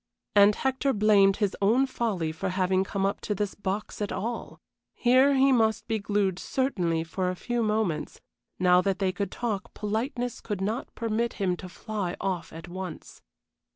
And Hector blamed his own folly for having come up to this box at all. Here he must be glued certainly for a few moments; now that they could talk, politeness could not permit him to fly off at once.